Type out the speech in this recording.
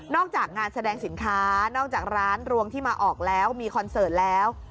จากงานแสดงสินค้านอกจากร้านรวงที่มาออกแล้วมีคอนเสิร์ตแล้ว